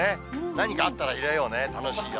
何かあったら入れようね、楽しいよ。